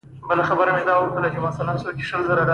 خرما د سترګو لید ښه کوي.